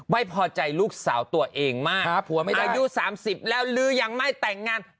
ไว้พอใจลูกสาวตัวเองมากครับผัวไม่ได้อายุสามสิบแล้วลื้อยังไม่แต่งงาน